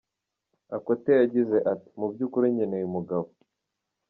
Akothee yagize ati “Mu by’ukuri nkeneye umugabo,.